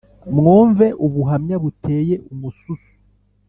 mwumve ubuhamya buteye umususu!